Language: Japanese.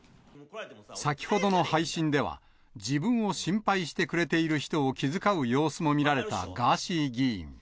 先ほどの配信では、自分を心配してくれている人を気遣う様子も見られたガーシー議員。